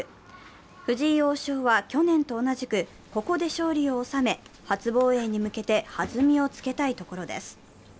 藤井王将は去年と同じくここで勝利を収め、初防衛に向けてはずみをつけたいところです。